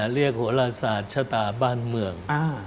เรียกโหราศาสตร์ชะตาบ้านเมือง